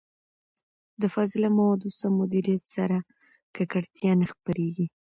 د فاضله موادو سم مديريت سره، ککړتيا نه خپرېږي.